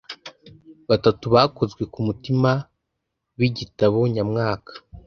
Batatu bakozwe ku mutima bigitabo nyamwaka